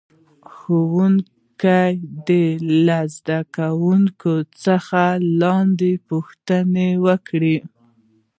ښوونکی دې له زده کوونکو څخه لاندې پوښتنې وکړي.